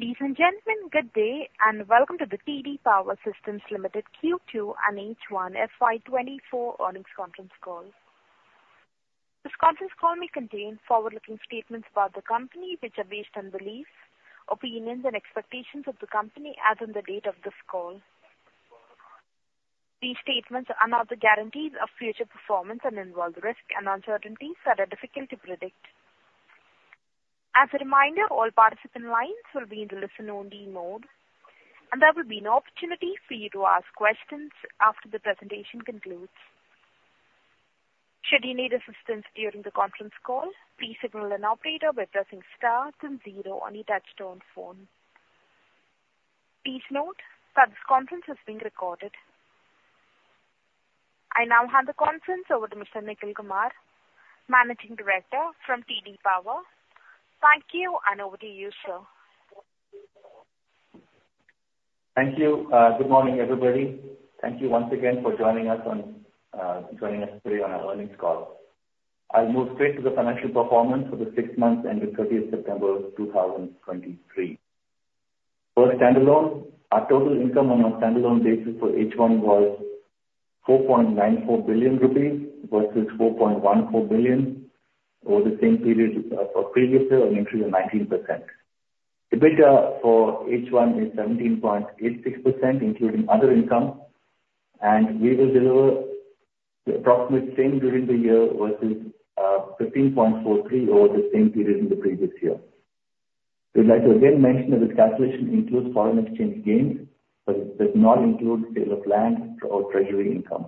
Ladies and gentlemen, good day, and welcome to the TD Power Systems Limited Q2 and H1 FY 2024 earnings conference call. This conference call may contain forward-looking statements about the company, which are based on beliefs, opinions, and expectations of the company as on the date of this call. These statements are not the guarantees of future performance and involve risks and uncertainties that are difficult to predict. As a reminder, all participant lines will be in the listen-only mode, and there will be an opportunity for you to ask questions after the presentation concludes. Should you need assistance during the conference call, please signal an operator by pressing star then zero on your touchtone phone. Please note that this conference is being recorded. I now hand the conference over to Mr. Nikhil Kumar, Managing Director from TD Power. Thank you, and over to you, sir. Thank you. Good morning, everybody. Thank you once again for joining us today on our earnings call. I'll move straight to the financial performance for the six months ending 30th September 2023. First, standalone. Our total income on a standalone basis for H1 was 4.94 billion rupees versus 4.14 billion over the same period for previous year, an increase of 19%. EBITDA for H1 is 17.86%, including other income, and we will deliver the approximate same during the year versus 15.43% over the same period in the previous year. We'd like to again mention that this calculation includes foreign exchange gains but does not include sale of land or treasury income.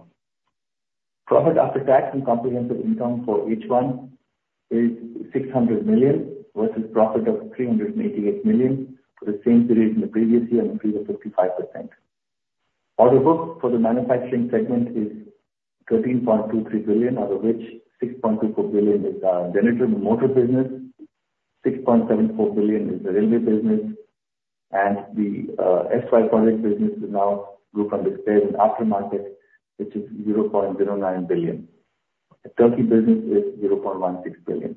Profit after tax and comprehensive income for H1 is 600 million versus profit of 388 million for the same period in the previous year, an increase of 55%. Order book for the manufacturing segment is 13.23 billion, out of which 6.24 billion is our generator and motor business, 6.74 billion is the railway business, and the SY project business is now grouped under spares and aftermarket, which is 0.09 billion. The Turkey business is 0.16 billion.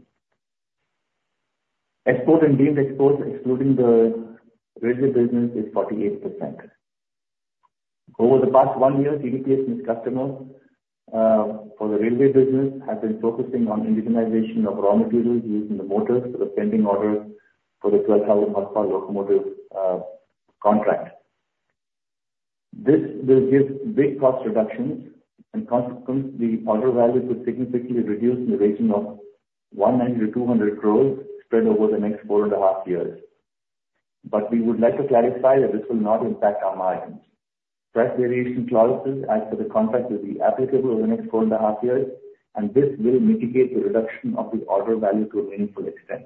Export and deemed exports, excluding the railway business, is 48%. Over the past one year, TDPS's customers for the railway business have been focusing on indigenization of raw materials used in the motors for the pending order for the 1,200 horsepower locomotive contract. This will give big cost reductions. In consequence, the order value could significantly reduce in the region of 100 crore-200 crore spread over the next four and a half years. But we would like to clarify that this will not impact our margins. Price variation clauses as per the contract will be applicable over the next four and a half years, and this will mitigate the reduction of the order value to a meaningful extent.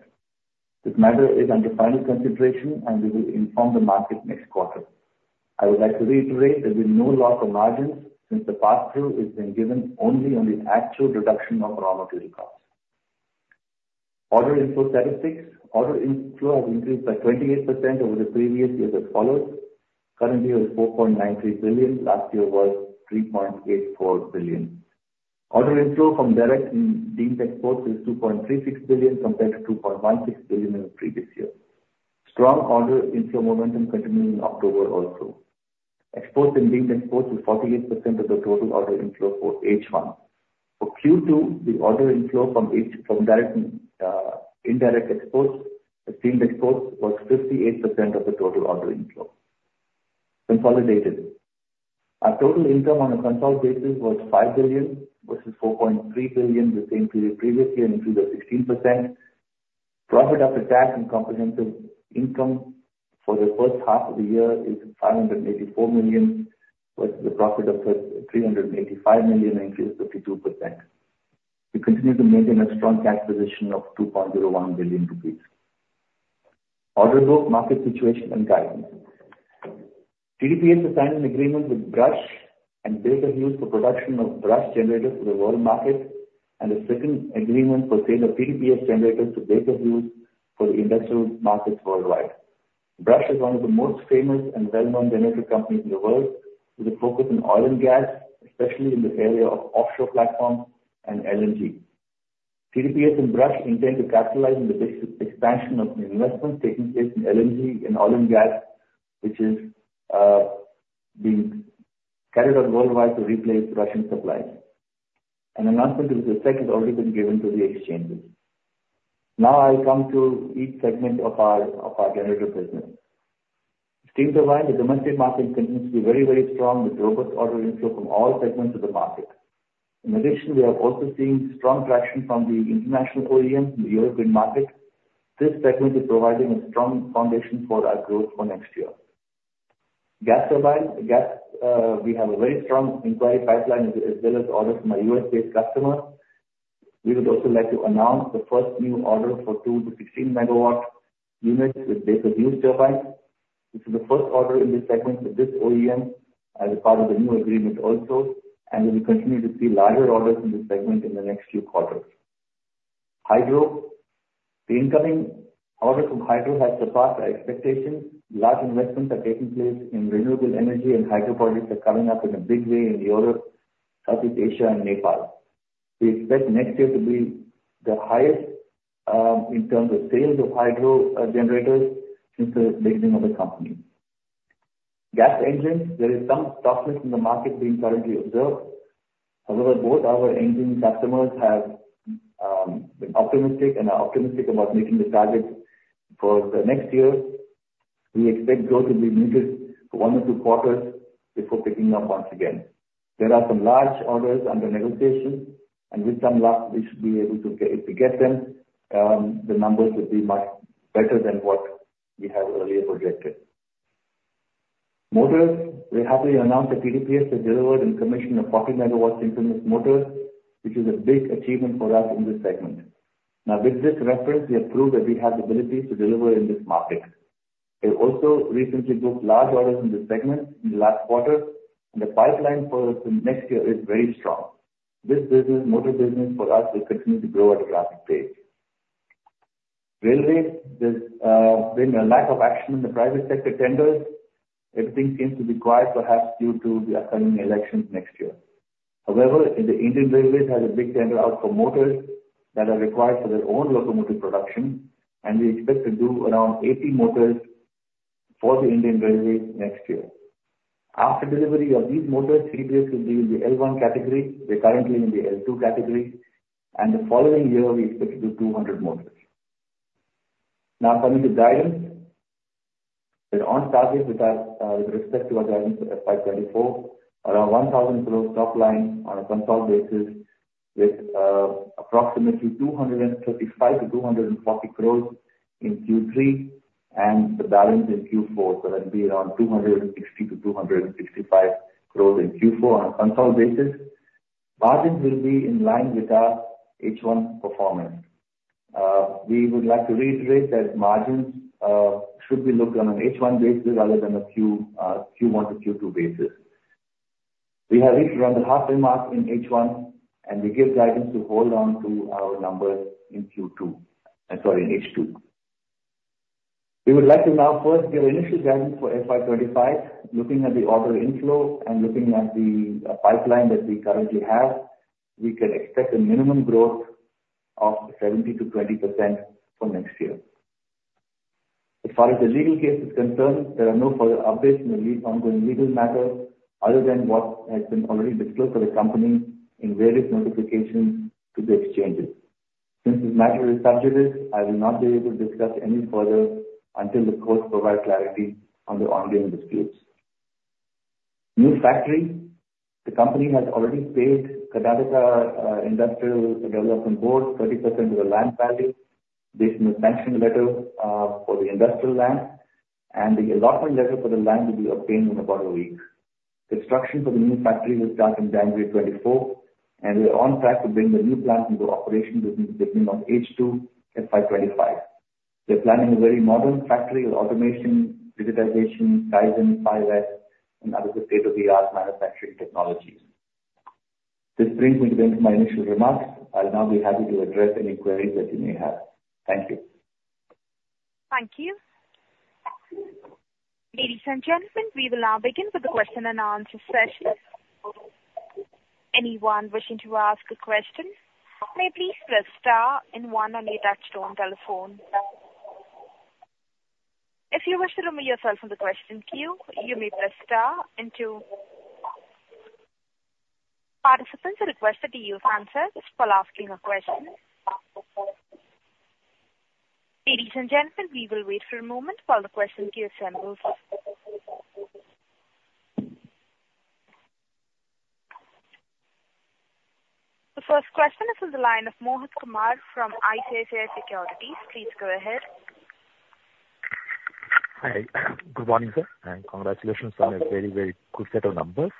This matter is under final consideration, and we will inform the market next quarter. I would like to reiterate there'll be no loss of margins since the pass-through has been given only on the actual reduction of raw material cost. Order inflow statistics. Order inflow has increased by 28% over the previous year as follows. Currently, it is 4.93 billion. Last year was 3.84 billion. Order inflow from direct and deemed exports is 2.36 billion compared to 2.16 billion in the previous year. Strong order inflow momentum continued in October also. Exports and deemed exports was 48% of the total order inflow for H1. For Q2, the order inflow from direct and indirect exports and deemed exports was 58% of the total order inflow. Consolidated. Our total income on a consolid basis was 5 billion versus 4.3 billion the same period previously, an increase of 16%. Profit after tax and comprehensive income for the first half of the year is 584 million, versus the profit of 385 million, an increase of 52%. We continue to maintain a strong cash position of 2.01 billion rupees. Order book, market situation, and guidance. TDPS has signed an agreement with Brush and Baker Hughes for production of Brush generators for the world market, and the second agreement for sale of TDPS generators to Baker Hughes for the industrial markets worldwide. Brush is one of the most famous and well-known generator companies in the world with a focus on oil and gas, especially in the area of offshore platforms and LNG. TDPS and Brush intend to capitalize on the expansion of new investments taking place in LNG and oil and gas, which is being carried out worldwide to replace Russian supplies. An announcement to this effect has already been given to the exchanges. I come to each segment of our generator business. Steam turbine, the domestic market continues to be very strong with robust order inflow from all segments of the market. In addition, we are also seeing strong traction from the international OEMs in the European market. This segment is providing a strong foundation for our growth for next year. Gas turbine. We have a very strong inquiry pipeline as well as orders from our U.S.-based customer. We would also like to announce the first new order for 2 to 15-megawatt units with Baker Hughes turbines. This is the first order in this segment with this OEM as a part of the new agreement also, and we will continue to see larger orders in this segment in the next few quarters. Hydro. The incoming order from hydro has surpassed our expectations. Large investments are taking place in renewable energy, and hydro projects are coming up in a big way in Europe, Southeast Asia, and Nepal. We expect next year to be the highest in terms of sales of hydro generators since the beginning of the company. Gas engines, there is some softness in the market being currently observed. However, both our engine customers have been optimistic and are optimistic about meeting the targets for the next year. We expect growth to be muted for one or two quarters before picking up once again. There are some large orders under negotiation, with some luck, we should be able to get them. The numbers would be much better than what we have earlier projected. Motors, we happily announce that TDPS has delivered and commissioned a 40-megawatt synchronous motor, which is a big achievement for us in this segment. With this reference, we have proved that we have the ability to deliver in this market. We also recently booked large orders in this segment in the last quarter, and the pipeline for next year is very strong. This business, motor business for us will continue to grow at a rapid pace. Railway, there has been a lack of action in the private sector tenders. Everything seems to be quiet, perhaps due to the upcoming elections next year. However, the Indian Railways has a big tender out for motors that are required for their own locomotive production, and we expect to do around 80 motors for the Indian Railways next year. After delivery of these motors, TDPS will be in the L1 category. We are currently in the L2 category, and the following year, we expect to do 200 motors. Now coming to guidance. We are on target with respect to our guidance for FY 2024, around 1,000 growth top line on a consolidated basis with approximately 235 crore to 240 crore in Q3 and the balance in Q4. That will be around 260 crore to 265 crore in Q4 on a consolidated basis. Margins will be in line with our H1 performance. We would like to reiterate that margins should be looked on an H1 basis rather than a Q1 to Q2 basis. We have reached around the halfway mark in H1, and we give guidance to hold on to our numbers in Q2. Sorry, in H2. We would like to now forecast our initial guidance for FY 2025. Looking at the order inflow and looking at the pipeline that we currently have, we can expect a minimum growth of 17%-20% for next year. As far as the legal case is concerned, there are no further updates on the ongoing legal matters other than what has been already disclosed by the company in various notifications to the exchanges. Since this matter is sub judice, I will not be able to discuss any further until the courts provide clarity on the ongoing disputes. New factory. The company has already paid Karnataka Industrial Areas Development Board 30% of the land value based on the sanction letter, for the industrial land, and the allotment letter for the land will be obtained in about a week. Construction for the new factory will start in January 2024, and we are on track to bring the new plant into operation between the beginning of H2 FY 2025. We are planning a very modern factory with automation, digitization, Kaizen, 5S and other state-of-the-art manufacturing technologies. This brings me to the end of my initial remarks. I will now be happy to address any queries that you may have. Thank you. Thank you. Ladies and gentlemen, we will now begin with the question and answer session. Anyone wishing to ask a question, may please press star and one on your touchtone telephone. If you wish to remove yourself from the question queue, you may press star and two. Participants are requested to use answers while asking a question. Ladies and gentlemen, we will wait for a moment while the question queue assembles. The first question is on the line of Mohit Kumar from ICICI Securities. Please go ahead. Hi. Good morning, sir, and congratulations on a very good set of numbers.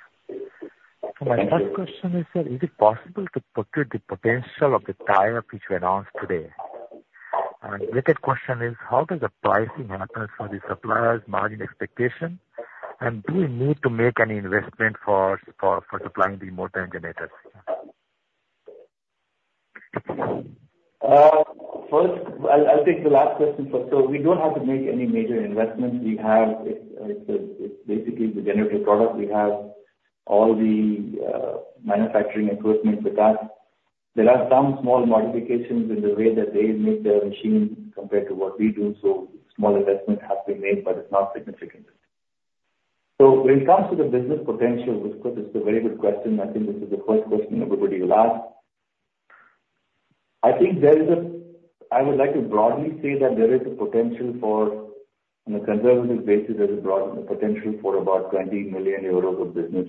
My first question is, sir, is it possible to procure the potential of the tie-up which you announced today? The second question is, how does the pricing matter for the suppliers' margin expectation, and do you need to make any investment for supplying the motor generators? First, I'll take the last question first. We don't have to make any major investments. It's basically the generator product. We have all the manufacturing equipments for that. There are some small modifications in the way that they make their machines compared to what we do, so small investments have been made, but it's not significant. When it comes to the business potential, this is a very good question. I think this is the first question everybody will ask. I would like to broadly say that there is a potential for, on a conservative basis, there is broad potential for about 20 million euros of business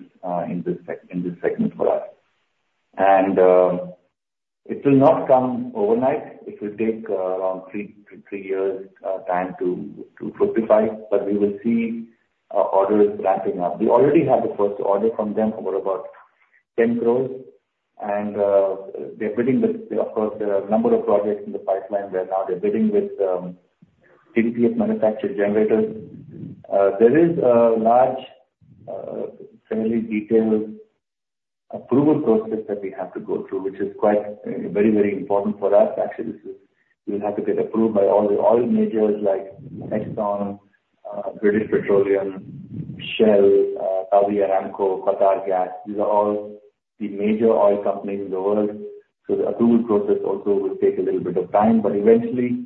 in this segment for us. It will not come overnight. It will take around three years time to fructify, but we will see our orders ramping up. We already have the first order from them for about 10 crores and they're bidding with, of course, there are a number of projects in the pipeline where now they're bidding with TDPS manufactured generators. There is a large, fairly detailed approval process that we have to go through, which is quite very important for us. Actually, we'll have to get approved by all the oil majors like Exxon, British Petroleum Shell, Saudi Aramco, Qatar Gas, these are all the major oil companies in the world. The approval process also will take a little bit of time, but eventually,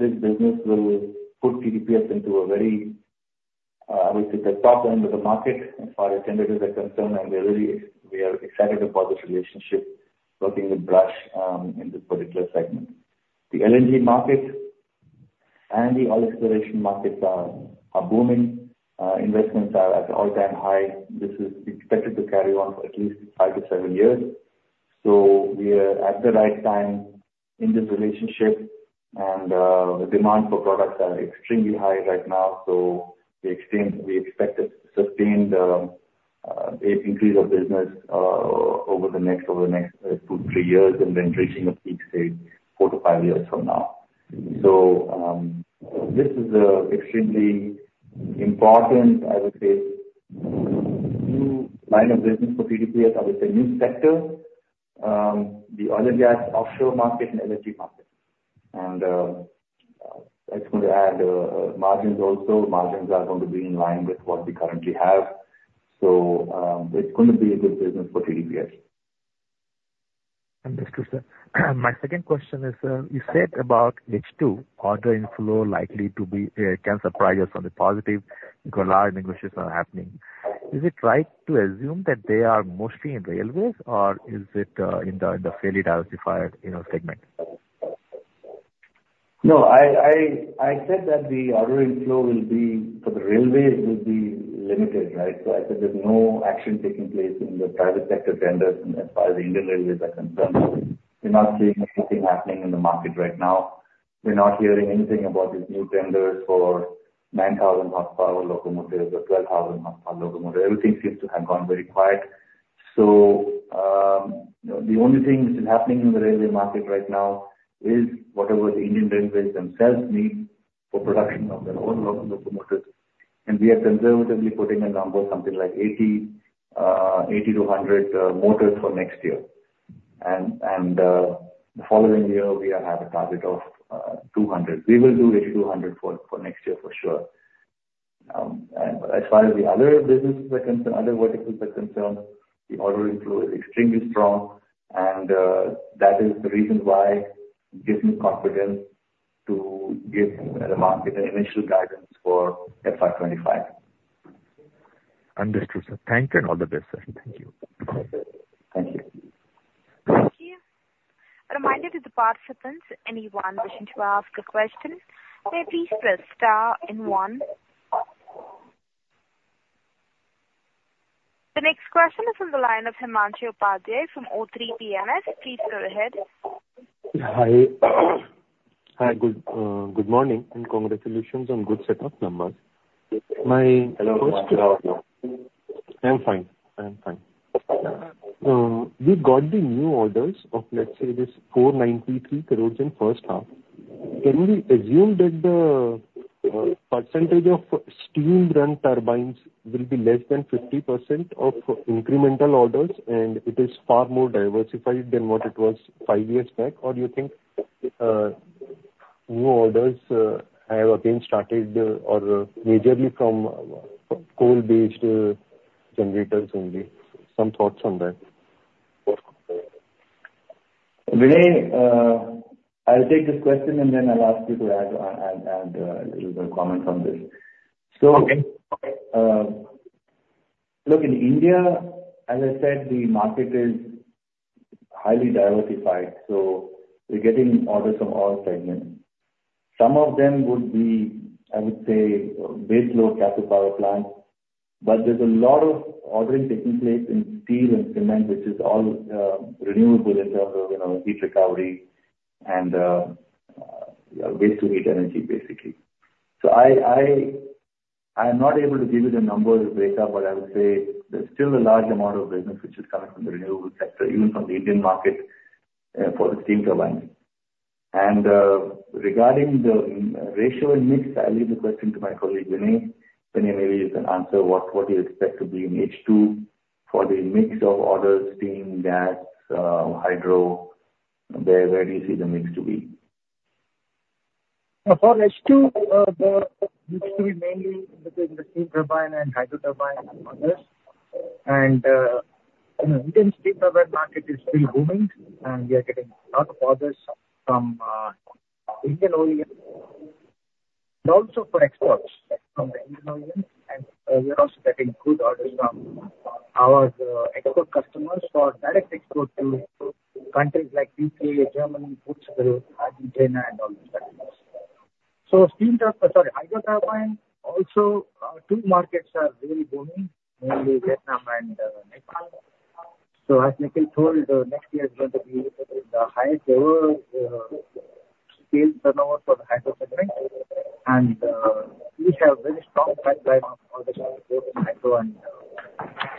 this business will put TDPS into a very, I would say, the top end of the market as far as tenders are concerned, and we are excited about this relationship working with Brush in this particular segment. The LNG market and the oil exploration markets are booming. Investments are at an all-time high. This is expected to carry on for at least five to seven years. We are at the right time in this relationship, and the demand for products are extremely high right now. We expect a sustained increase of business over the next two, three years, and then reaching a peak say four to five years from now. This is extremely important, I would say, new line of business for TDPS, I would say new sector. The oil and gas offshore market and LNG market. That's going to add margins also. Margins are going to be in line with what we currently have. It's going to be a good business for TDPS. Understood, sir. My second question is, you said about H2 order inflow likely can surprise us on the positive because large negotiations are happening. Is it right to assume that they are mostly in railways or is it in the fairly diversified segment? I said that the order inflow for the railways will be limited, right? I said there's no action taking place in the private sector tenders, and as far as the Indian Railways are concerned, we're not seeing anything happening in the market right now. We're not hearing anything about these new tenders for 9,000 horsepower locomotives or 12,000 horsepower locomotive. Everything seems to have gone very quiet. The only thing which is happening in the railway market right now is whatever the Indian Railways themselves need for production of their own locomotives. We are conservatively putting a number, something like 80 to 100 motors for next year. The following year, we have a target of 200. We will do 80 to 100 for next year for sure. As far as the other verticals are concerned, the order inflow is extremely strong and that is the reason why it gives me confidence to give the market an initial guidance for FY 2025. Understood, sir. Thank you and all the best, sir. Thank you. Thank you. Thank you. A reminder to the participants, anyone wishing to ask a question, please press star and one. The next question is on the line of Himanshu Upadhyay from O3 PMS. Please go ahead. Hi, good morning and congratulations on good set of numbers. My first- Hello Himanshu. How are you? I'm fine. You got the new orders of, let's say, this 493 crores in first half. Can we assume that the percentage of steam turbines will be less than 50% of incremental orders and it is far more diversified than what it was five years back? Do you think new orders have again started or are majorly from coal-based generators only? Some thoughts on that. Vinay, I'll take this question and then I'll ask you to add a little comment on this. Okay. Look, in India, as I said, the market is highly diversified, so we're getting orders from all segments. Some of them would be, I would say, baseload captive power plants, but there's a lot of ordering taking place in steel and cement, which is all renewable in terms of heat recovery and waste to heat energy, basically. I am not able to give you the numbers breakup, but I would say there's still a large amount of business which is coming from the renewable sector, even from the Indian market, for steam turbines. Regarding the ratio and mix, I leave the question to my colleague, Vinay. Vinay, maybe you can answer what you expect to be in H2 for the mix of orders, steam, gas, hydro. Where do you see the mix to be? For H2, it used to be mainly between the steam turbine and hydro turbine orders. Indian steam turbine market is still booming, and we are getting a lot of orders from Indian OEMs, and also for exports from the Indian OEM. We are also getting good orders from our export customers for direct export to countries like U.K., Germany, Portugal, Argentina and all these countries. Steam, sorry, hydro turbine also, two markets are really booming, mainly Vietnam and Nepal. As Nikhil told, next year is going to be the highest ever scale turnover for the hydro segment. We have very strong pipeline of orders for both hydro and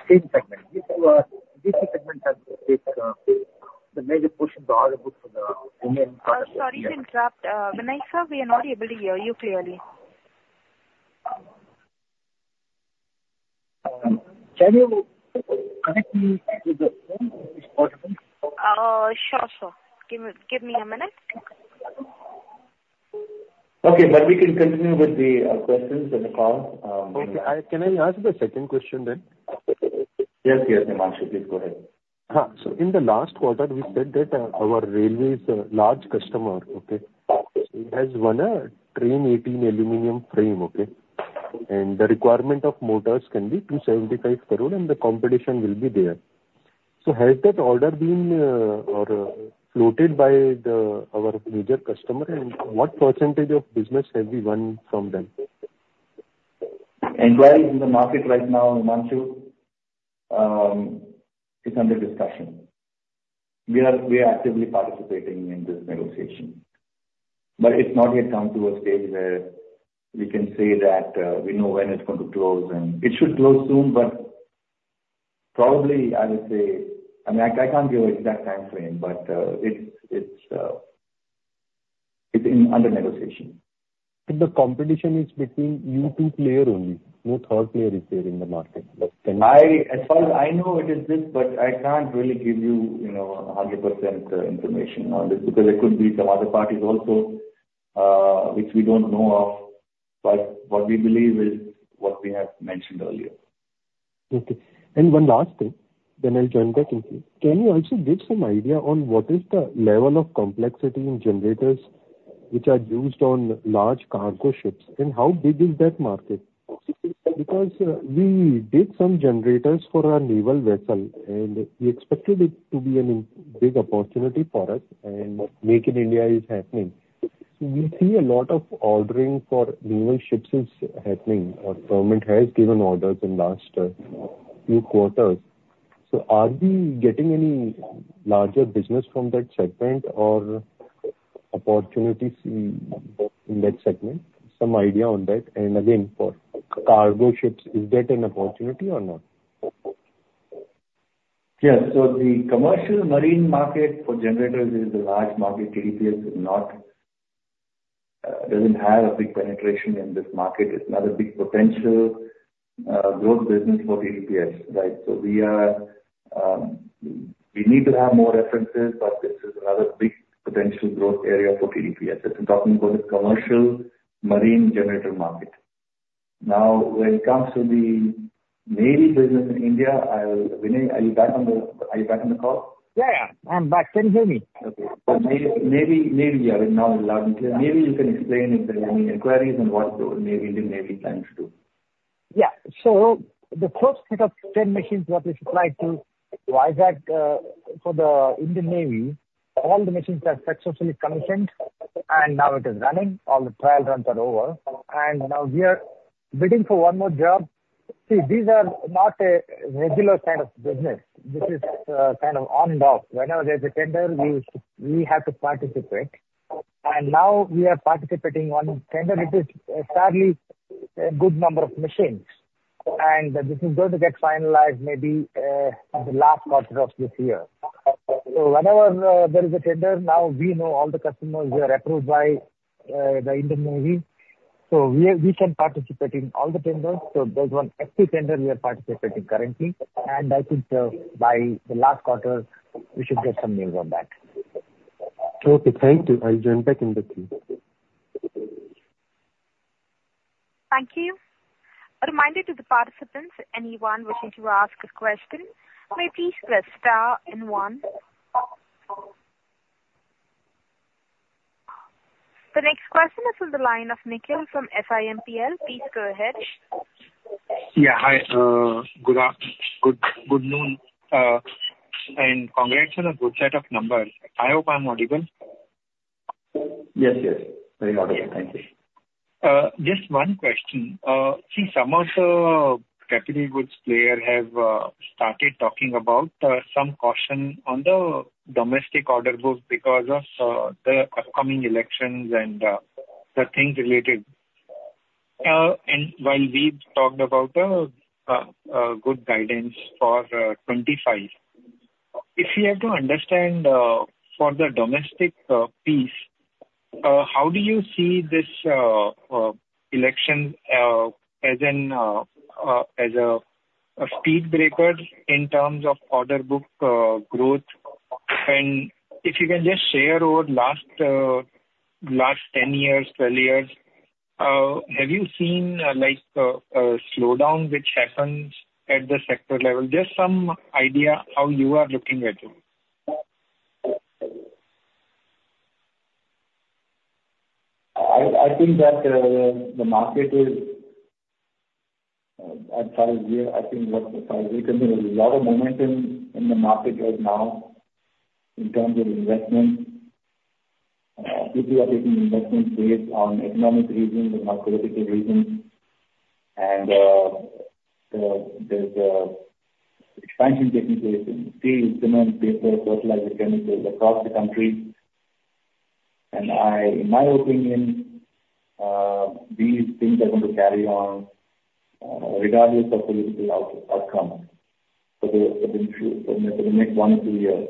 steam segment. These two segments have picked the major portion of the order book for the Indian- Sorry to interrupt. Vinay, sir, we are not able to hear you clearly. Can you connect me to the phone if possible? Sure. Give me a minute. Okay, we can continue with the questions on the call. Can I ask the second question? Himanshu, please go ahead. In the last quarter, we said that our railways large customer has won a Train 18 aluminium frame? The requirement of motors can be 275 crore, and the competition will be there. Has that order been floated by our major customer, and what % of business have we won from them? Inquiries in the market right now, Himanshu, it's under discussion. We are actively participating in this negotiation. It's not yet come to a stage where we can say that we know when it's going to close. It should close soon, but probably, I would say, I can't give you an exact time frame. It's under negotiation. The competition is between you two player only. No third player is there in the market. As far as I know, it is this, but I can't really give you 100% information on this, because it could be some other parties also, which we don't know of. What we believe is what we have mentioned earlier. Okay. One last thing, I'll join back in queue. Can you also give some idea on what is the level of complexity in generators which are used on large cargo ships, and how big is that market? Because we did some generators for a naval vessel, and we expected it to be a big opportunity for us, and Make in India is happening. We see a lot of ordering for naval ships is happening, our government has given orders in last few quarters. Are we getting any larger business from that segment or opportunities in that segment? Some idea on that. Again, for cargo ships, is that an opportunity or not? Yes. The commercial marine market for generators is a large market. TDPS doesn't have a big penetration in this market. It's another big potential growth business for TDPS, right? We need to have more references, but this is another big potential growth area for TDPS. If we're talking about the commercial marine generator market. Now, when it comes to the Navy business in India, Vinay, are you back on the call? Yeah, I'm back. Can you hear me? Okay. Navy, yeah. Now you're loud and clear. Navy, you can explain if there are any inquiries on what the Indian Navy plans to do. Yeah. The first set of 10 machines that we supplied to IAC for the Indian Navy, all the machines are successfully commissioned, and now it is running. All the trial runs are over. We are bidding for one more job. See, these are not a regular kind of business. This is kind of on and off. Whenever there's a tender, we have to participate. We are participating on a tender, which is fairly a good number of machines. This is going to get finalized maybe in the last quarter of this year. Whenever there is a tender, now we know all the customers, we are approved by the Indian Navy, so we can participate in all the tenders. There's one active tender we are participating currently. I think by the last quarter, we should get some news on that. Okay, thank you. I'll join back in the queue. Thank you. A reminder to the participants, anyone wishing to ask a question, may please press star and one. The next question is on the line of Nikhil from SIMPL. Please go ahead. Yeah. Hi. Good afternoon. Congrats on a good set of numbers. I hope I'm audible. Yes. Very audible. Thank you. Just one question. See, some of the capital goods player have started talking about some caution on the domestic order book because of the upcoming elections and the things related. While we've talked about a good guidance for FY 2025, if we have to understand for the domestic piece, how do you see this election as a speed breaker in terms of order book growth? If you can just share over last 10 years, 12 years, have you seen a slowdown which happens at the sector level? Just some idea how you are looking at it. I think there's a lot of momentum in the market right now in terms of investment. People are taking investment based on economic reasons and not political reasons. There's expansion taking place in steel, cement, paper, fertilizer, chemicals across the country. In my opinion, these things are going to carry on regardless of political outcome for the next one or two years.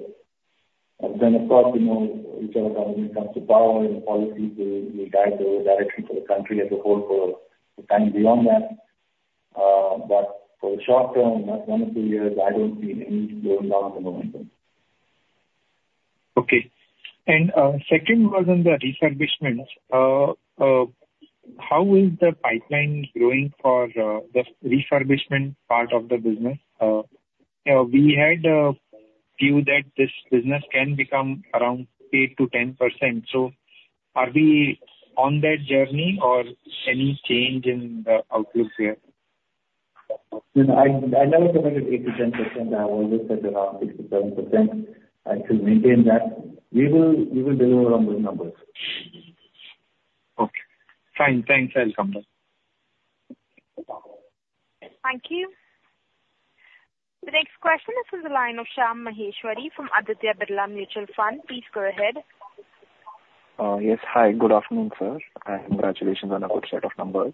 Of course, whichever government comes to power, their policies will guide the direction for the country as a whole for a time beyond that. For the short term, one or two years, I don't see any slowing down of the momentum. Okay. Second was on the refurbishments. How is the pipeline growing for the refurbishment part of the business? We had a view that this business can become around 8%-10%. Are we on that journey or any change in the outlook here? No, I never said that it's 8%-10%. I've always said around 6%-7%. I still maintain that. We will deliver on those numbers. Okay. Fine. Thanks, Alkamda. Thank you. The next question is from the line of Shyam Maheshwari from Aditya Birla Mutual Fund. Please go ahead. Yes. Hi, good afternoon, sir, and congratulations on a good set of numbers.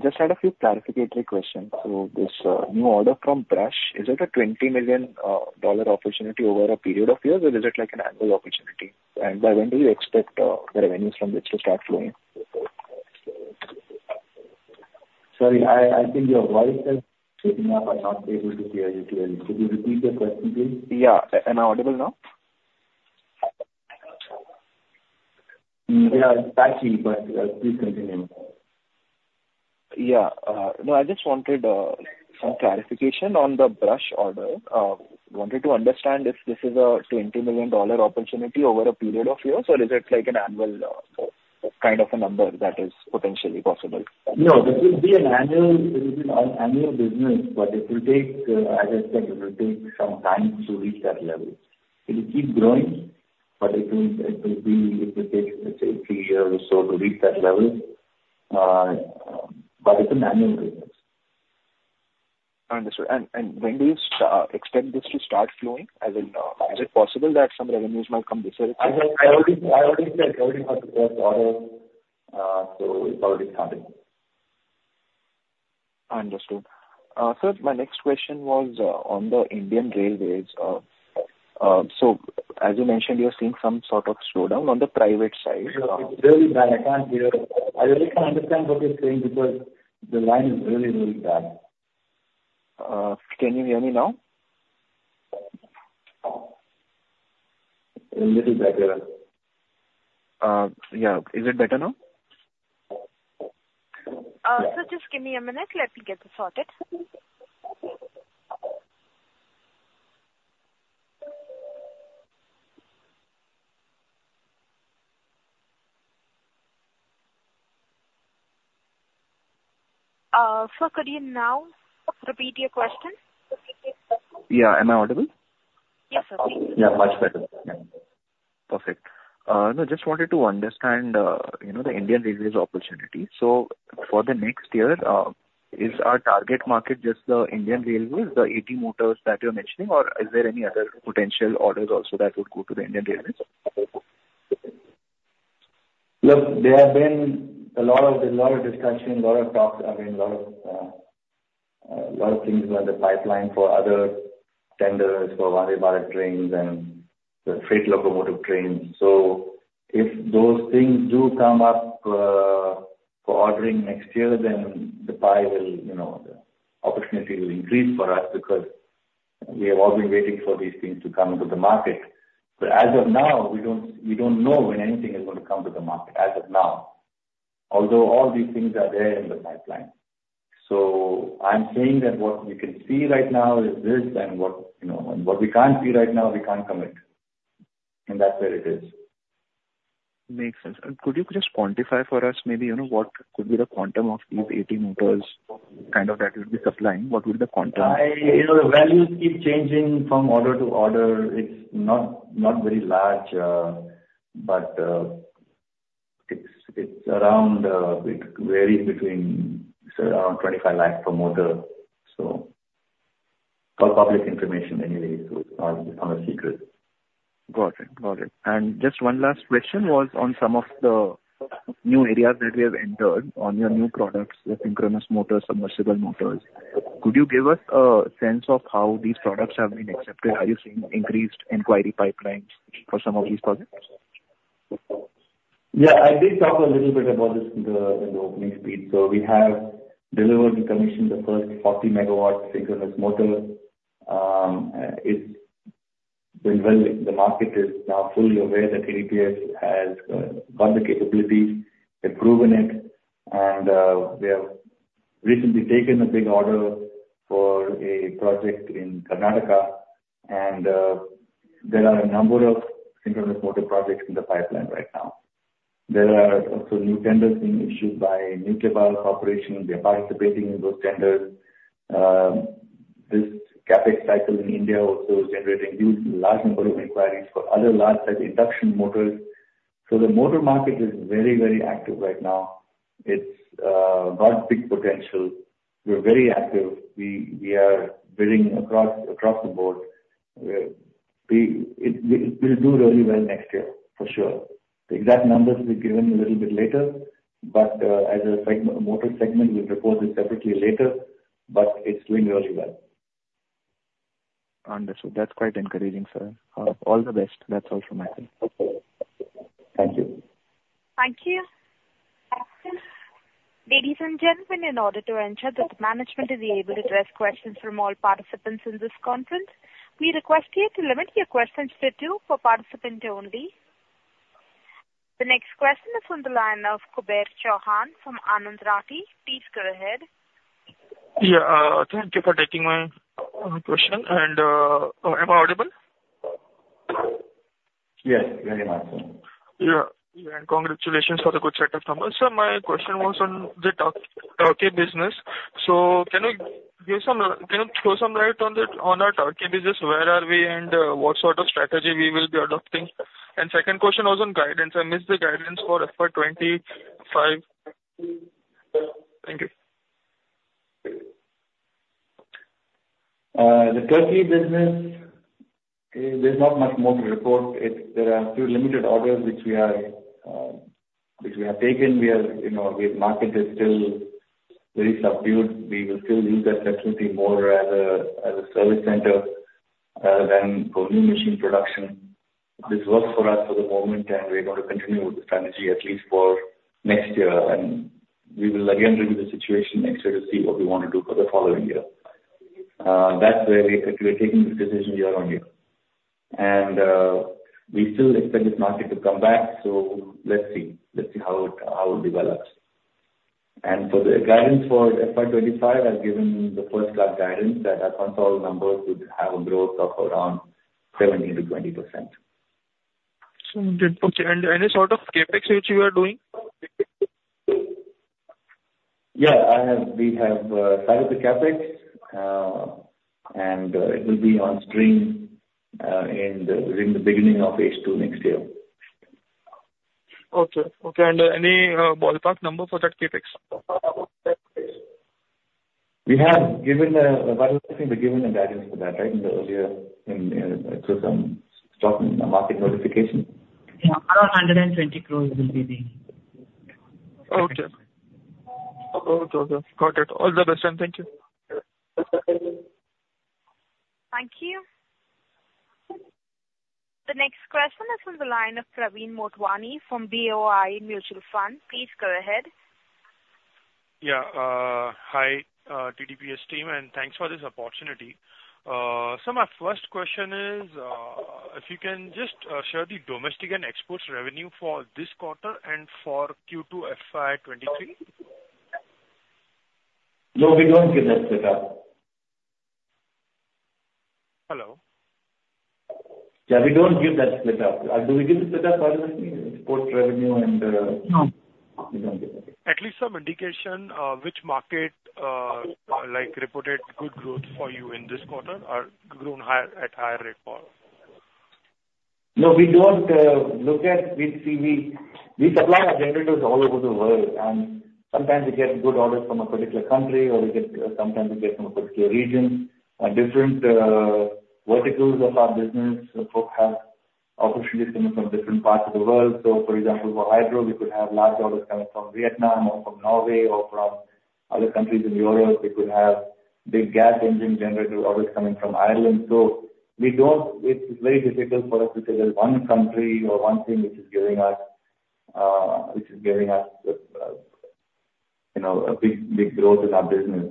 Just had a few clarificatory questions. This new order from Brush, is it a EUR 20 million opportunity over a period of years or is it like an annual opportunity? By when do you expect the revenues from this to start flowing? Sorry, I think your voice has broken up. I am not able to hear you clearly. Could you repeat your question, please? Yeah. Am I audible now? Yeah, partially. Please continue. Yeah. I just wanted some clarification on the Brush order. Wanted to understand if this is a EUR 20 million opportunity over a period of years, or is it like an annual kind of a number that is potentially possible? This will be an annual business, as I said, it will take some time to reach that level. It'll keep growing, it will take, let's say, three years or so to reach that level. It's an annual business. Understood. When do you expect this to start flowing? Is it possible that some revenues might come this year? As I already said, we already have the first order, so it's already starting. Understood. Sir, my next question was on the Indian Railways. As you mentioned, you're seeing some sort of slowdown on the private side- It's really bad. I can't hear. I really can't understand what you're saying because the line is really, really bad. Can you hear me now? A little better. Yeah. Is it better now? Sir, just give me a minute. Let me get this sorted. Sir, could you now repeat your question? Yeah. Am I audible? Yes, sir. Yeah, much better. Perfect. Just wanted to understand the Indian Railways opportunity. For the next year, is our target market just the Indian Railways, the 80 motors that you're mentioning, or is there any other potential orders also that would go to the Indian Railways? Look, there have been a lot of discussions, a lot of talks. I mean, a lot of things were in the pipeline for other tenders, for Vande Bharat trains and the freight locomotive trains. If those things do come up for ordering next year, then the pie will, the opportunity will increase for us because we have all been waiting for these things to come into the market. As of now, we don't know when anything is going to come to the market, as of now. Although all these things are there in the pipeline. I'm saying that what we can see right now is this, and what we can't see right now, we can't commit. That's where it is. Makes sense. Could you just quantify for us maybe, what could be the quantum of these 80 motors kind of that you'll be supplying? What will be the quantum? The values keep changing from order to order. It's not very large. It varies between around 25 lakh per motor. It's all public information anyway, so it's not a secret. Got it. Just one last question was on some of the new areas that we have entered on your new products, the synchronous motors, submersible motors. Could you give us a sense of how these products have been accepted? Are you seeing increased inquiry pipelines for some of these products? Yeah, I did talk a little bit about this in the opening speech. We have delivered and commissioned the first 40-megawatt synchronous motor. It's doing well. The market is now fully aware that TDPS has got the capabilities. They've proven it. We have recently taken a big order for a project in Karnataka. There are a number of synchronous motor projects in the pipeline right now. There are also new tenders being issued by Nuclear Power Corporation. We are participating in those tenders. This CapEx cycle in India also is generating these large number of inquiries for other large type induction motors. The motor market is very, very active right now. It's got big potential. We're very active. We are bidding across the board. We'll do really well next year, for sure. The exact numbers will be given a little bit later. As a motor segment, we'll report it separately later, but it's doing really well. Understood. That's quite encouraging, sir. All the best. That's all from my side. Okay. Thank you. Thank you. Ladies and gentlemen, in order to ensure that management is able to address questions from all participants in this conference, we request you to limit your questions to two per participant only. The next question is on the line of Kuber Chauhan from Anand Rathi. Please go ahead. Yeah. Thank you for taking my question. Am I audible? Yes, very much so. Yeah. Congratulations for the good set of numbers. Sir, my question was on the turnkey business. Can you throw some light on our turnkey business, where are we and what sort of strategy we will be adopting? Second question was on guidance. I missed the guidance for FY 2025. Thank you. The turnkey business, there's not much more to report. There are a few limited orders which we have taken. We have marketed still very subdued. We will still use that capacity more as a service center than for new machine production. This works for us for the moment, and we're going to continue with the strategy at least for next year, and we will again review the situation next year to see what we want to do for the following year. That way, we are taking this decision year on year. We still expect this market to come back. Let's see. Let's see how it develops. For the guidance for FY 2025, I've given the first class guidance that our consolidated numbers would have a growth of around 17%-20%. Understood. Okay, any sort of CapEx which you are doing? Yeah, we have started the CapEx, and it will be on stream in the beginning of H2 next year. Okay. Any ballpark number for that CapEx? Varun, I think we've given the guidance for that, right? In the earlier stock market notification. Yeah. Around 120 crore. Okay. Got it. All the best. Thank you. Thank you. The next question is from the line of Praveen Motwani from BOI Mutual Fund. Please go ahead. Yeah. Hi, TDPS team, and thanks for this opportunity. Sir, my first question is if you can just share the domestic and exports revenue for this quarter and for Q2 FY 2023. No, we don't give that split up. Hello? Yeah, we don't give that split up. Do we give the split up, Varun, exports revenue and. No. We don't give that. At least some indication which market reported good growth for you in this quarter or grown at higher rate for. No, we supply our generators all over the world, sometimes we get good orders from a particular country, or sometimes we get from a particular region. Different verticals of our business have opportunities coming from different parts of the world. For example, for hydro, we could have large orders coming from Vietnam or from Norway or from other countries in the Middle East. We could have big gas engine generator orders coming from Ireland. It's very difficult for us to say there's one country or one thing which is giving us a big growth in our business.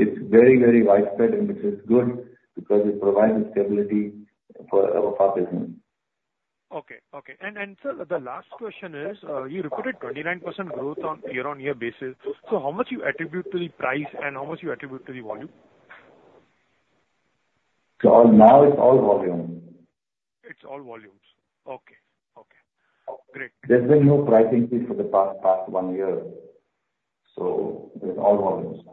It's very widespread, and which is good because it provides a stability for our business. Okay. Sir, the last question is, you reported 29% growth on a year-on-year basis. How much you attribute to the price and how much you attribute to the volume? Now it's all volume. It's all volumes. Okay. Great. There's been no pricing change for the past one year. It's all volumes.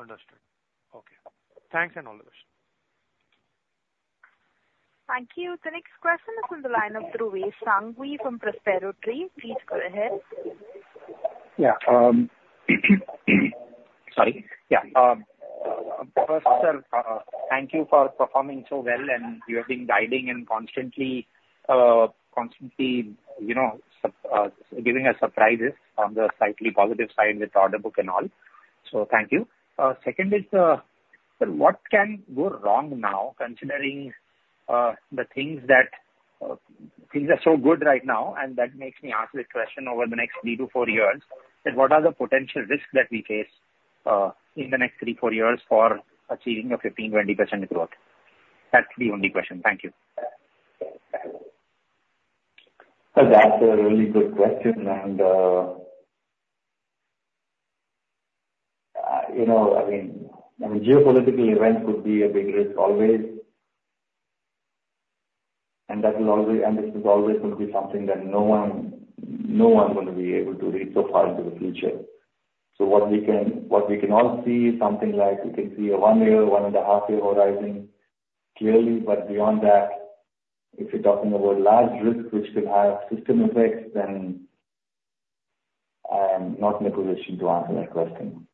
Understood. Okay. Thanks and all the best. Thank you. The next question is on the line of Dhruv Sanghi from Prospero Tree. Please go ahead. Yeah. Sorry. Yeah. First, sir, thank you for performing so well, and you have been guiding and constantly giving us surprises on the slightly positive side with order book and all. Thank you. Second is, sir, what can go wrong now considering things are so good right now, and that makes me ask this question over the next three to four years, is what are the potential risks that we face in the next three, four years for achieving a 15%-20% growth? That's the only question. Thank you. Sir, that's a really good question, geopolitical events could be a big risk always. This is always going to be something that no one's going to be able to read so far into the future. What we can all see is something like we can see a one year, one and a half year horizon clearly. Beyond that, if you're talking about large risks which could have system effects, then I am not in a position to answer that question.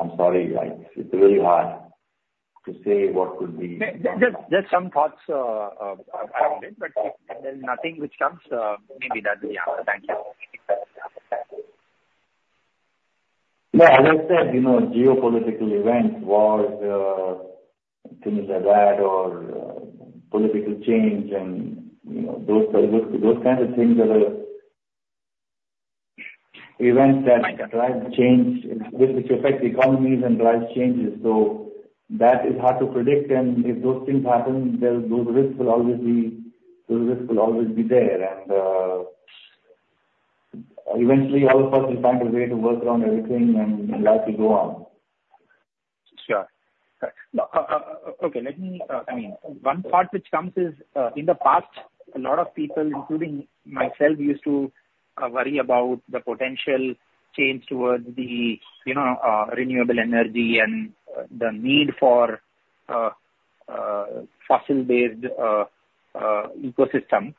I'm sorry. It's really hard to say. Just some thoughts around it, if there's nothing which comes, maybe that will be answer. Thank you. Yeah, as I said, geopolitical events, wars, things like that, or political change and those kinds of things are the events that drive change, which affect economies and drive changes. That is hard to predict. If those things happen, those risks will always be there. Eventually, all of us will find a way to work around everything and life will go on. Sure. Okay. One part which comes is, in the past, a lot of people, including myself, used to worry about the potential change towards the renewable energy and the need for fossil-based ecosystem.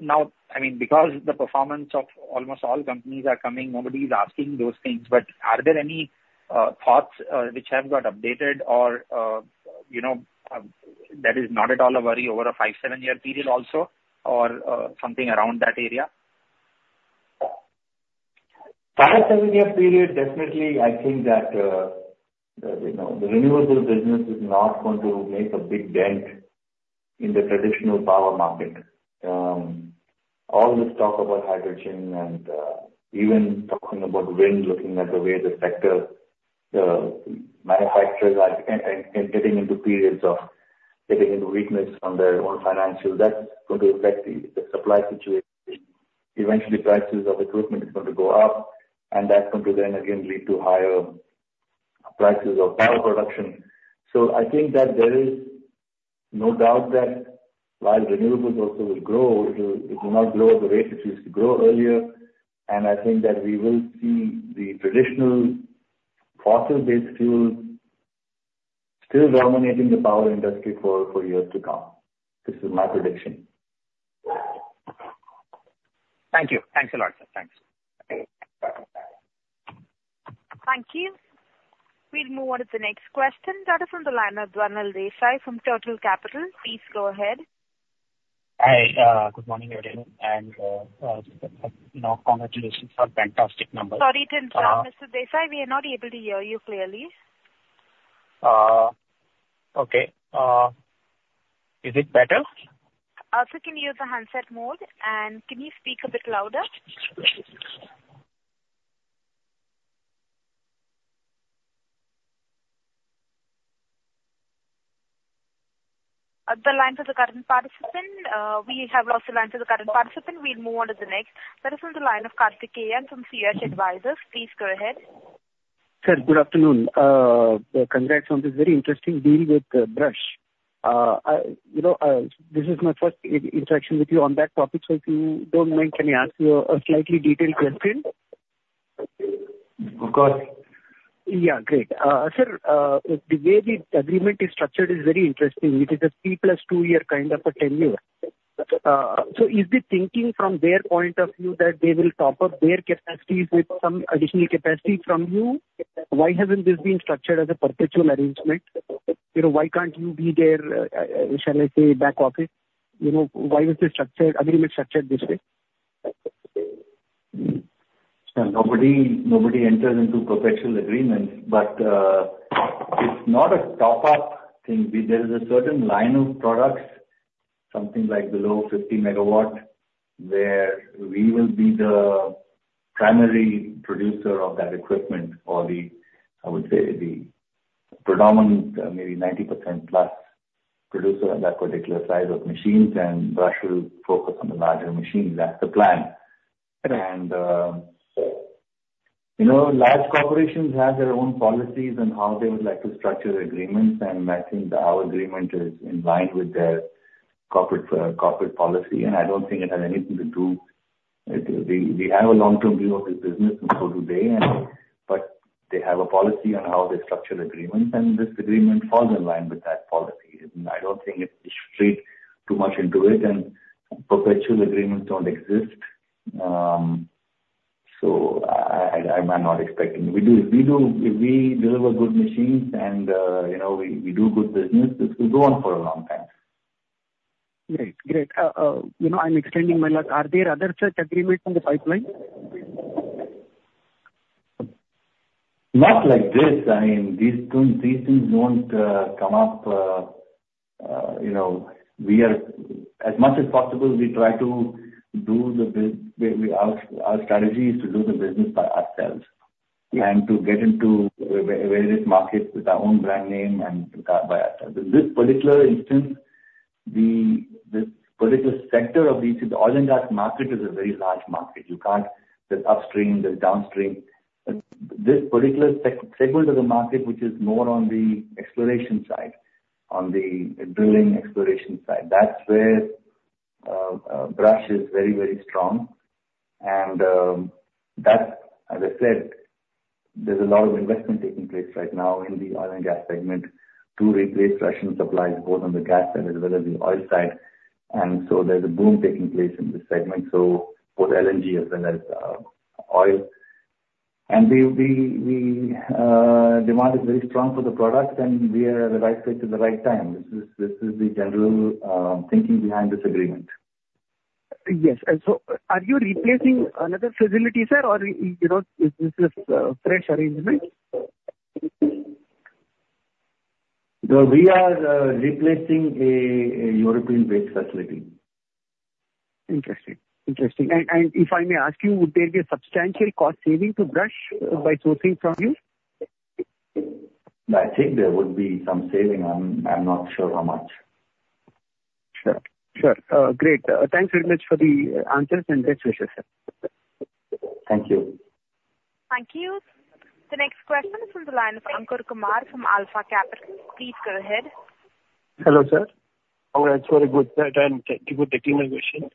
Now, because the performance of almost all companies are coming, nobody's asking those things. Are there any thoughts which have got updated or that is not at all a worry over a five, seven-year period also, or something around that area? Five, seven-year period, definitely, I think that the renewables business is not going to make a big dent in the traditional power market. All this talk about hydrogen and even talking about wind, looking at the way the sector manufacturers are getting into periods of getting into weakness on their own financials, that's going to affect the supply situation. Eventually, prices of equipment is going to go up, and that's going to then again lead to higher prices of power production. I think that there is no doubt that while renewables also will grow, it will not grow at the rate it used to grow earlier. I think that we will see the traditional fossil-based fuels still dominating the power industry for years to come. This is my prediction. Thank you. Thanks a lot, sir. Thanks. Thank you. We'll move on to the next question. That is from the line of Dhvanel Desai from Turtle Capital. Please go ahead. Hi. Good morning, everyone. Congratulations on fantastic numbers. Sorry to interrupt, Mr. Desai, we are not able to hear you clearly. Okay. Is it better? Also, can you use the handset mode and can you speak a bit louder? The line for the current participant. We have lost the line to the current participant. We'll move on to the next. That is on the line of Kartik Ayyan from CH Advisors. Please go ahead. Sir, good afternoon. Congrats on this very interesting deal with Brush. This is my first interaction with you on that topic, if you don't mind, can I ask you a slightly detailed question? Of course. Yeah. Great. Sir, the way the agreement is structured is very interesting. It is a three plus two year kind of a tenure. Is the thinking from their point of view that they will top up their capacities with some additional capacity from you? Why hasn't this been structured as a perpetual arrangement? Why can't you be their, shall I say, back office? Why was this agreement structured this way? Sir, nobody enters into perpetual agreements, it's not a top-up thing. There is a certain line of products, something like below 50 MW, where we will be the primary producer of that equipment or I would say, the predominant, maybe 90%+ producer of that particular size of machines, Brush will focus on the larger machines. That's the plan. Right. Large corporations have their own policies on how they would like to structure agreements, I think our agreement is in line with their corporate policy, I don't think it has anything to do with. We have a long-term view of this business and so do they. They have a policy on how they structure agreements, this agreement falls in line with that policy. I don't think it deviates too much into it, perpetual agreements don't exist. I'm not expecting. If we deliver good machines and we do good business, this will go on for a long time. Great. I'm extending my luck. Are there other such agreements in the pipeline? Not like this. These things don't come up. As much as possible, our strategy is to do the business by ourselves. Yeah. To get into various markets with our own brand name and to grow it by ourselves. This particular instance, this particular sector of the oil and gas market is a very large market. There's upstream, there's downstream. This particular segment of the market, which is more on the exploration side, on the drilling exploration side, that's where Brush is very strong. That, as I said, there's a lot of investment taking place right now in the oil and gas segment to replace Russian supplies, both on the gas side as well as the oil side. So there's a boom taking place in this segment for LNG as well as oil. Demand is very strong for the product, and we are at the right place at the right time. This is the general thinking behind this agreement. Yes. So are you replacing another facility, sir, or is this a fresh arrangement? We are replacing a European-based facility. Interesting. If I may ask you, would there be a substantial cost saving to Brush by sourcing from you? I think there would be some saving. I am not sure how much. Sure. Great. Thanks very much for the answers and best wishes, sir. Thank you. Thank you. The next question is from the line of Ankur Kumar from Alpha Capital. Please go ahead. Hello, sir. All right. Sorry good, thank you for taking my question.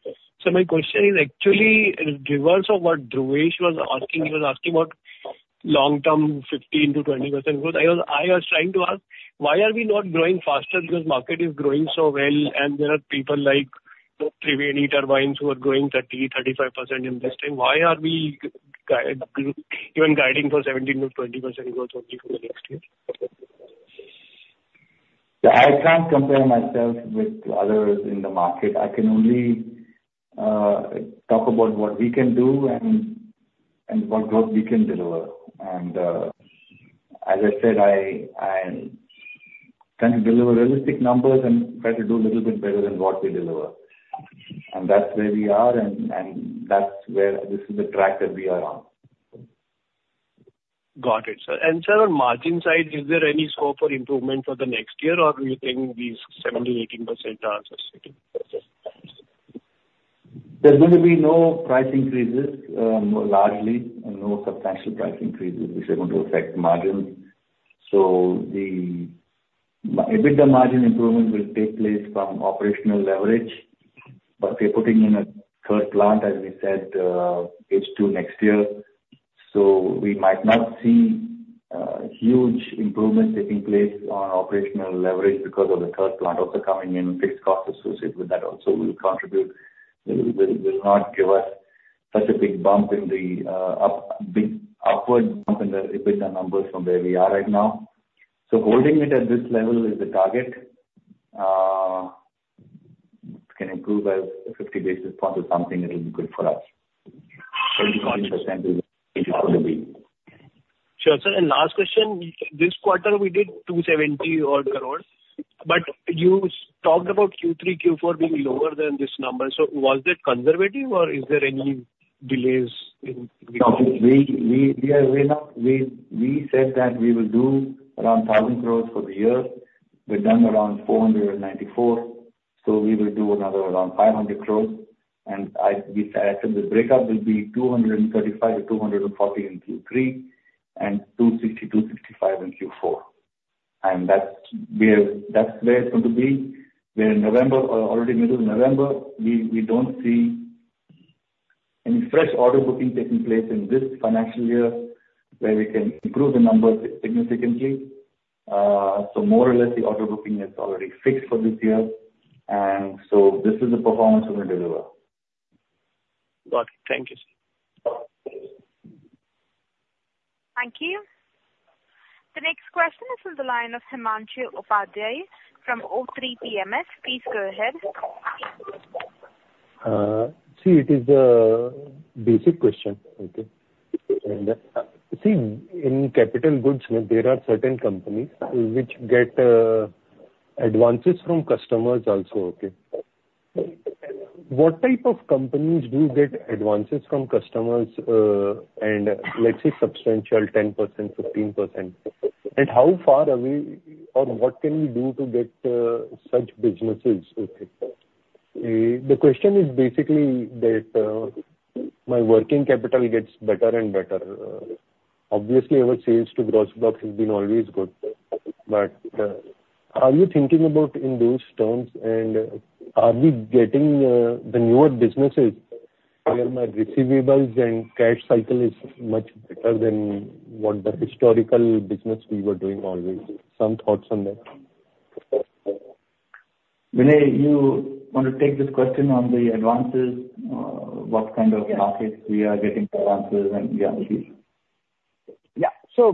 My question actually revolves around what Dhruvesh was asking. He was asking about long-term 15%-20% growth. I was trying to ask, why are we not growing faster? Because market is growing so well, and there are people like Triveni Turbine who are growing 30%-35% in this time. Why are we even guiding for 17%-20% growth only for the next year? I can't compare myself with others in the market. I can only talk about what we can do and what growth we can deliver. As I said, I am trying to deliver realistic numbers and try to do a little bit better than what we deliver. That's where we are, and that's the track that we are on. Got it, sir. Sir, on margin side, is there any scope for improvement for the next year, or do you think these 17%, 18% are sufficient for us? There's going to be no price increases, largely, and no substantial price increases which are going to affect margins. The EBITDA margin improvement will take place from operational leverage. We're putting in a third plant, as we said H2 next year. We might not see huge improvements taking place on operational leverage because of the third plant also coming in, fixed costs associated with that also will contribute. It will not give us such a big upward bump in the EBITDA numbers from where we are right now. Holding it at this level is the target, can improve as a 50 basis point or something, it will be good for us. Got it. 70% is how it will be. Sure. Sir, last question. This quarter, we did 270 odd crores, you talked about Q3, Q4 being lower than this number. Was that conservative or are there any delays in between? No, we said that we will do around 1,000 crores for the year. We've done around 494. We will do another around 500 crores, as I said, the breakup will be 235-240 in Q3 and 260-265 in Q4. That's where it's going to be. We're in November, already middle of November. We don't see any fresh order booking taking place in this financial year where we can improve the numbers significantly. More or less, the order booking is already fixed for this year, this is the performance we're going to deliver. Got it. Thank you, sir. Thank you. The next question is from the line of Himanshu Upadhyay from O3 Asset Management. Please go ahead. It is a basic question. In capital goods, there are certain companies which get advances from customers also. What type of companies do get advances from customers, and let's say substantial 10%, 15%. How far away or what can we do to get such businesses? The question is basically that my working capital gets better and better. Obviously, our sales to gross box has been always good. Are you thinking about in those terms, and are we getting the newer businesses where my receivables and cash cycle is much better than what the historical business we were doing always? Some thoughts on that. Vinay, you want to take this question on the advances, what kind of markets we are getting advances.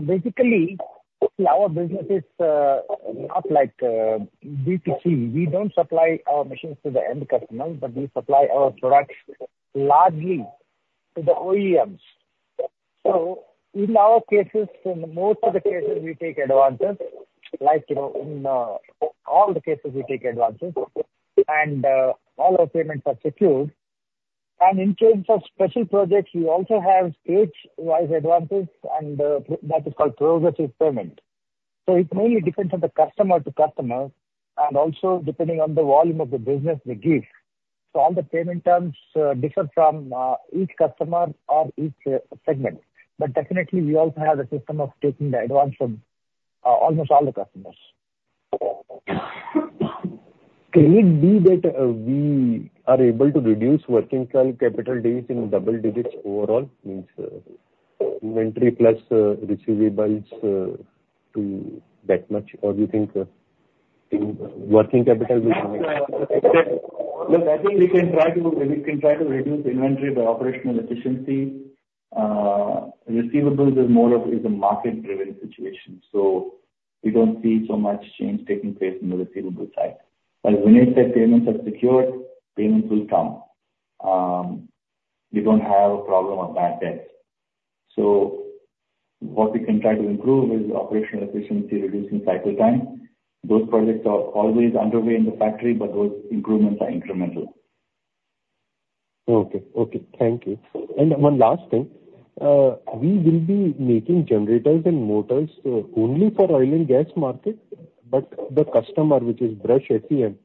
Basically, our business is not like B2C. We don't supply our machines to the end customers, but we supply our products largely to the OEMs. In our cases, in most of the cases, we take advances. In all the cases we take advances, and all our payments are secured. In case of special projects, we also have stage-wise advances, and that is called progressive payment. It mainly depends on the customer to customer and also depending on the volume of the business they give. All the payment terms differ from each customer or each segment. Definitely we also have a system of taking the advance from almost all the customers. Can it be that we are able to reduce working capital days in double digits overall, means inventory plus receivables to that much? Or do you think working capital will? I think we can try to reduce inventory by operational efficiency. Receivables is more of a market-driven situation. We don't see so much change taking place in the receivables side. When you say payments are secured, payments will come. We don't have a problem of bad debts. What we can try to improve is operational efficiency, reducing cycle time. Those projects are always underway in the factory, but those improvements are incremental. Okay. Thank you. One last thing. We will be making generators and motors only for oil and gas market. The customer, which is Brush Group,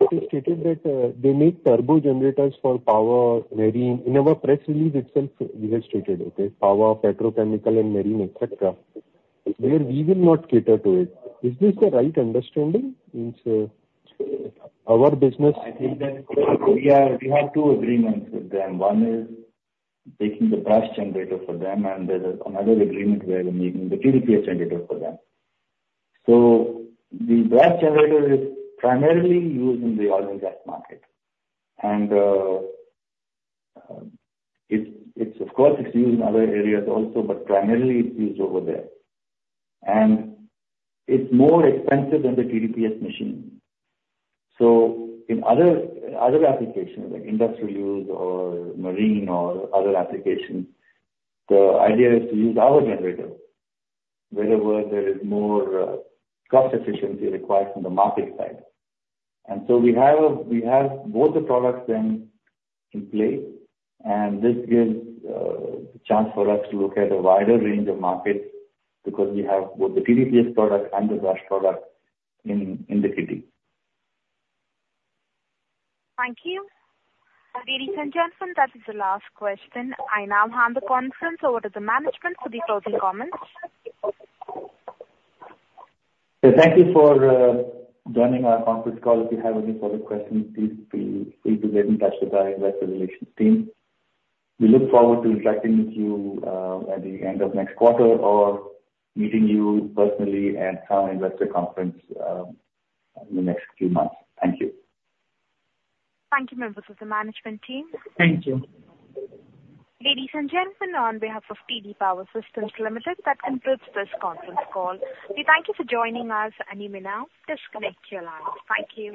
they stated that they make turbo generators for power marine. In our press release itself, we have stated, okay, power, petrochemical and marine, et cetera. Where we will not cater to it. Is this the right understanding? I think that we have two agreements with them. One is taking the Brush generator for them, and there's another agreement where we're making the TDPS generator for them. The Brush generator is primarily used in the oil and gas market. Of course, it's used in other areas also, but primarily it's used over there. It's more expensive than the TDPS machine. In other applications, like industrial use or marine or other applications, the idea is to use our generator wherever there is more cost efficiency required from the market side. We have both the products then in play, and this gives a chance for us to look at a wider range of markets because we have both the TDPS product and the Brush product in the kitty. Thank you. Ladies and gentlemen, that is the last question. I now hand the conference over to the management for the closing comments. Thank you for joining our conference call. If you have any further questions, please feel free to get in touch with our investor relations team. We look forward to interacting with you at the end of next quarter or meeting you personally at our investor conference in the next few months. Thank you. Thank you, members of the management team. Thank you. Ladies and gentlemen, on behalf of TD Power Systems Limited, that concludes this conference call. We thank you for joining us, and you may now disconnect your lines. Thank you.